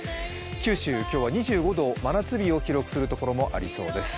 九州、今日は２５度、真夏日を記録するところもありそうです。